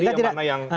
jadi mana yang